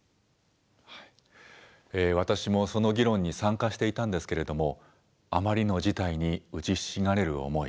私も、その議論に参加していたんですけれどもあまりの事態に打ちひしがれる思い